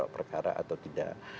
perkara atau tidak